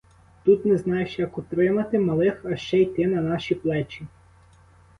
Тут не знаєш, як утримати малих, а ще й ти на наші плечі.